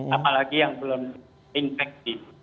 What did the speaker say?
apalagi yang belum infeksi